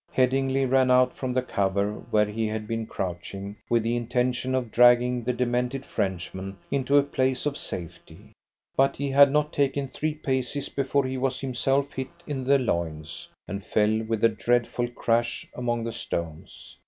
Headingly ran out from the cover where he had been crouching, with the intention of dragging the demented Frenchman into a place of safety, but he had not taken three paces before he was himself hit in the loins, and fell with a dreadful crash among the stones.